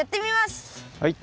はい。